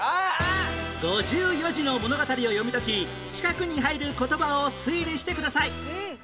５４字の物語を読み解き四角に入る言葉を推理してください